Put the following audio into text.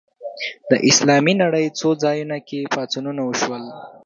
د اسلامي نړۍ څو ځایونو کې پاڅونونه وشول